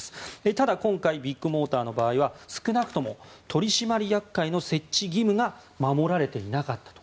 ただ今回ビッグモーターの場合は少なくとも取締役会の設置義務が守られていなかったと。